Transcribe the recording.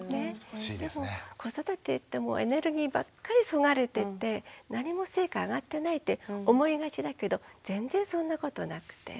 でも子育てってエネルギーばっかりそがれていって何も成果あがってないって思いがちだけど全然そんなことなくて。